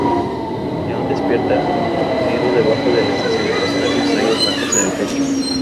León despierta aturdido debajo de la estación con unas extrañas marcas en el pecho.